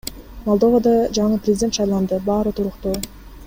Молдовада жаңы президент шайланды, баары туруктуу.